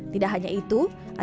tidak hanya itu